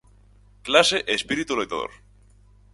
Clase e espírito loitador.